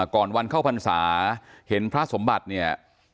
ก่อนวันเข้าพรรษาเห็นพระสมบัติเนี่ย